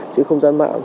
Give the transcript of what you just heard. trên không gian mạng